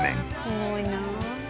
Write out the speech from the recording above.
すごいな。